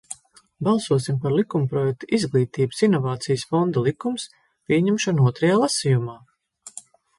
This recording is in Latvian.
"Balsosim par likumprojekta "Izglītības inovācijas fonda likums" pieņemšanu otrajā lasījumā!"